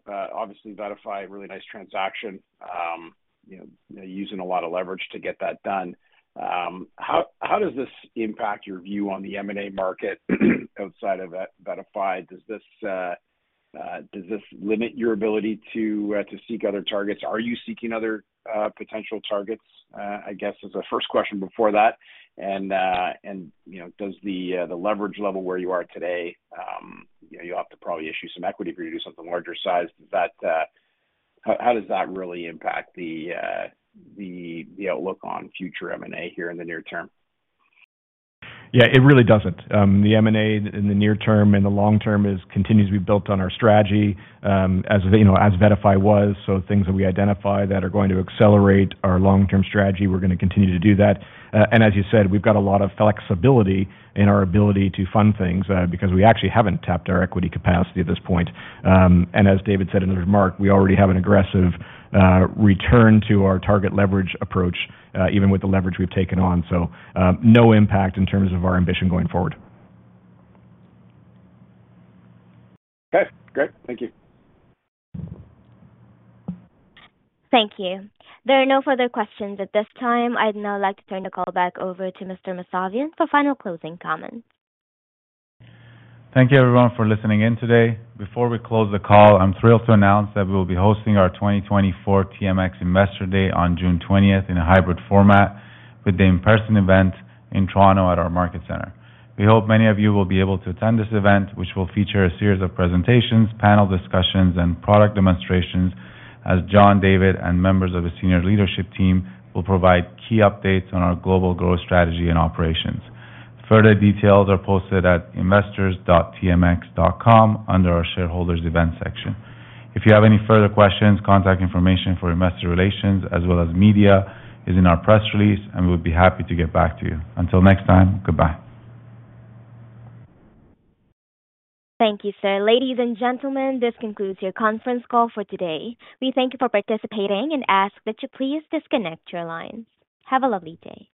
obviously, VettaFi, really nice transaction, you know, using a lot of leverage to get that done. How does this impact your view on the M&A market outside of VettaFi? Does this limit your ability to seek other targets? Are you seeking other potential targets? I guess, is the first question before that. And, you know, does the leverage level where you are today, you know, you have to probably issue some equity if you do something larger size. Does that... How does that really impact the outlook on future M&A here in the near term? Yeah, it really doesn't. The M&A in the near term and the long term is continues to be built on our strategy, as you know, as VettaFi was, so things that we identify that are going to accelerate our long-term strategy, we're gonna continue to do that. And as you said, we've got a lot of flexibility in our ability to fund things, because we actually haven't tapped our equity capacity at this point. And as David said in his remark, we already have an aggressive return to our target leverage approach, even with the leverage we've taken on. No impact in terms of our ambition going forward. Okay, great. Thank you. Thank you. There are no further questions at this time. I'd now like to turn the call back over to Mr. Mousavian for final closing comments. Thank you, everyone, for listening in today. Before we close the call, I'm thrilled to announce that we will be hosting our 2024 TMX Investor Day on June 20th in a hybrid format with the in-person event in Toronto at our Market Centre. We hope many of you will be able to attend this event, which will feature a series of presentations, panel discussions, and product demonstrations, as John, David, and members of the senior leadership team will provide key updates on our global growth strategy and operations. Further details are posted at investors.tmx.com under our Shareholders Events section. If you have any further questions, contact information for investor relations, as well as media, is in our press release, and we'll be happy to get back to you. Until next time, goodbye. Thank you, sir. Ladies and gentlemen, this concludes your conference call for today. We thank you for participating and ask that you please disconnect your lines. Have a lovely day.